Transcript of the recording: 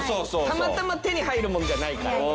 たまたま手に入るものじゃないから。